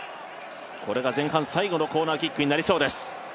これが前半最後のコーナーキックになりそうです。